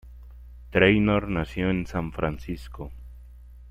Trainor nació en San Francisco.